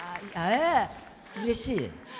うれしい。